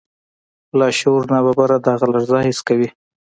لاشعور ناببره دغه لړزه حس کوي.